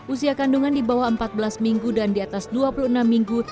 usia kandungan di bawah empat belas minggu dan di atas dua puluh enam minggu